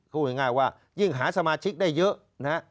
พูดง่ายว่ายิ่งหาสมาชิกได้เยอะนะฮะ